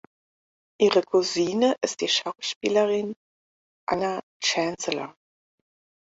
Ihre Cousine ist die Schauspielerin Anna Chancellor.